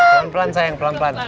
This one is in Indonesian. pelan pelan sayang pelan pelan